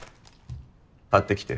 買ってきて。